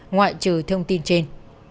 ngoại trừ thông tin trên